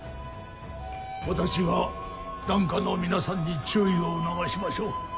私は檀家の皆さんに注意を促しましょう。